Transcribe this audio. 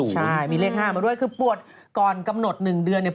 ใช่มีเลข๕มาด้วยคือปวดก่อนกำหนด๑เดือนเนี่ย